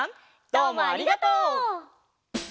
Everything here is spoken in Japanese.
どうもありがとう。